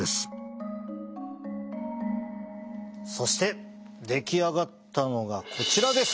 そして出来上がったのがこちらです！